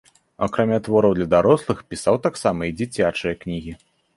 Акрамя твораў для дарослых, пісаў таксама і дзіцячыя кнігі.